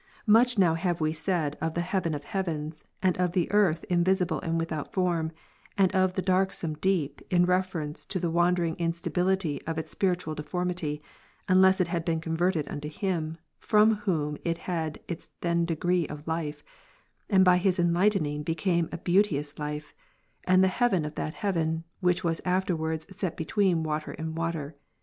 Much now have we said of the Heaven of heavens, and of the earth invisible and ivithout form, and of the darksome deep, in reference to the wandering instability of its spiritual de formity, unless it had been converted unto Him, from Whom it had its then degree of life, and by His enlightening became a beauteous life, and the heaven o/that heaven, which was afterwards set between water and water.